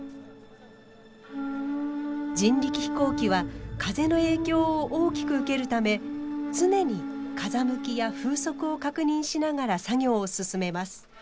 人力飛行機は風の影響を大きく受けるため常に風向きや風速を確認しながら作業を進めます。